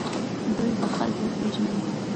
دوی به خج وپیژني.